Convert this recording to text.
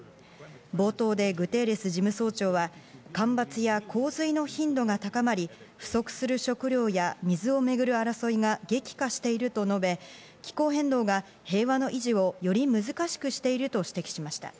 冒頭でグテーレス事務総長は、干ばつや洪水の頻度が高まり、不足する食料や水をめぐる争いが激化していると述べ、気候変動が平和の維持をより難しくしていると指摘しました。